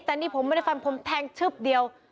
แต่นี่ผมไม่ได้ฟันผมแทงชึบเดียว